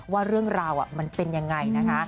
ว่าเรื่องราวมันเป็นยังไงนะคะ